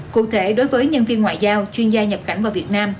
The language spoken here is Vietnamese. cụ thể đối với nhân viên ngoại giao chuyên gia nhập cảnh vào việt nam